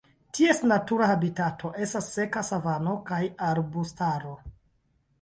Ties natura habitato estas seka savano kaj arbustaro.